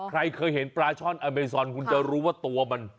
ใครเคยเห็นปลาช่อนอเมซอนคุณจะรู้ว่าตัวมัน